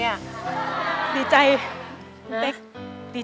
ไม่ทำได้ไม่ทำได้